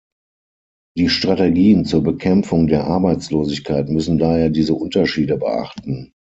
Die Strategien zur Bekämpfung der Arbeitslosigkeit müssen daher diese Unterschiede beachten.